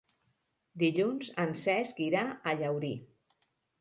Dilluns en Cesc irà a Llaurí.